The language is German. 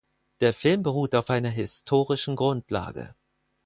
Der Film beruht auf einer historischen Grundlage.